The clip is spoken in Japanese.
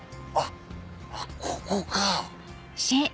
あっここか。